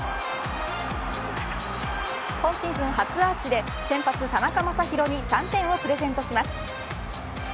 今シーズン、初アーチで先発田中将大に３点をプレゼントします。